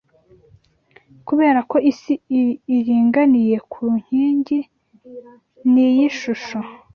Kuberako Isi iringaniye ku nkingi, ni iyi shusho